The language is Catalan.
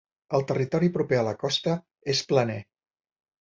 El territori proper a la costa és planer.